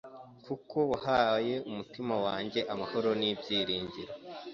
kuko wahaye umutima wanjye amahoro n’ibyiringiro